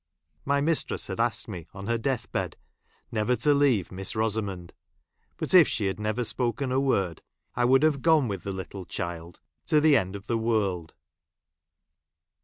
My mistress had asked me, on her death bed, never to leave Mis.s Rosamond ; but if she had never spoken a word, I would have gone with the little child to the end of the world.